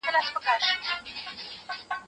د نفرت مخه نيول مه پريږدئ.